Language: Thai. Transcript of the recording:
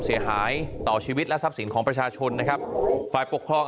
เสียหายต่อชีวิตและทรัพย์สินของประชาชนนะครับฝ่ายปกครอง